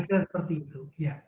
kira kira seperti itu